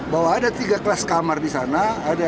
bahwa ada tiga kelas kamar di sana